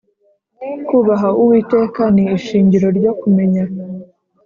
Kubaha Uwiteka ni ishingiro ryo kumenya,